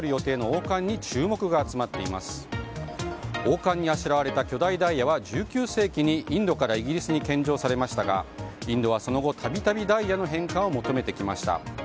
王冠にあしらわれた巨大ダイヤは１９世紀にインドからイギリスに献上されましたがインドはその後、度々ダイヤの返還を求めてきました。